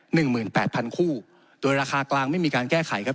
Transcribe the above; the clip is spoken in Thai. หนึ่งหมื่นแปดพันคู่โดยราคากลางไม่มีการแก้ไขครับ